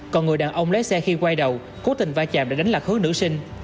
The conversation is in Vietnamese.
còn người đàn ông lái xe khi quay đầu cố tình va chạm để đánh lạc hướng nữ sinh